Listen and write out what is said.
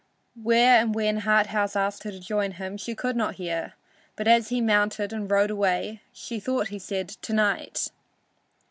Where and when Harthouse asked her to join him, she could not hear, but as he mounted and rode away she thought he said "To night."